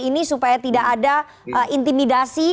ini supaya tidak ada intimidasi